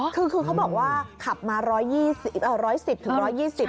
คือเขาบอกว่าขับมาร้อยสิบถึงร้อยยี่สิบ